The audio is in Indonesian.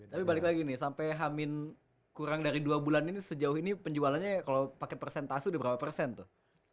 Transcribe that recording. tapi balik lagi nih sampai hamin kurang dari dua bulan ini sejauh ini penjualannya kalau pakai persentase udah berapa persen tuh